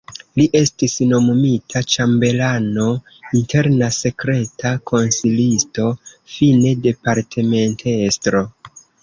Li estis nomumita ĉambelano, interna sekreta konsilisto, fine departementestro.